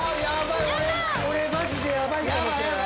俺マジでヤバいかもしれない。